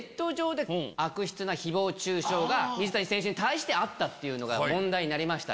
水谷選手に対してあったっていうのが問題になりました。